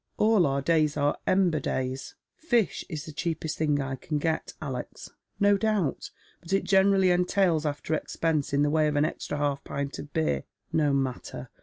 All our days are Ember days." " Fish is the cheapest thing I can get, Alex." " No doubt, but it generally entails after expense in the way of an extra half pint of beer. No matter.